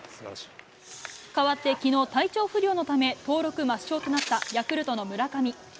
かわってきのう、体調不良のため、登録抹消となったヤクルトの村上。